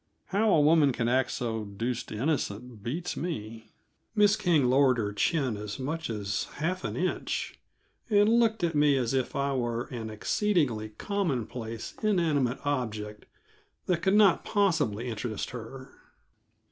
How a woman can act so deuced innocent, beats me. Miss King lowered her chin as much as half an inch, and looked at me as if I were an exceeding commonplace, inanimate object that could not possibly interest her.